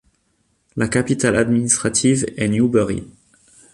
La capitale administrative est Newbury.